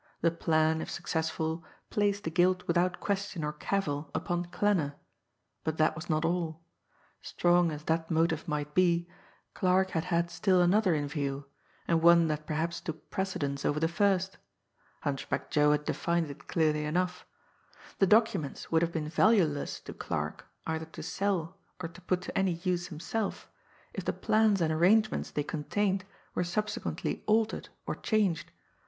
The plan, if successful, placed the guilt without question or cavil upon Klanner, but that was not all strong as that motive might be, Clarke had had still another in view, and one that perhaps took precedence over the first. Hunchback Joe had defined it clearly enough. The documents would have been valueless to Clarke, either to sell, or to put to any use himself, if the plans and arrangements they contained were subsequently altered or changed.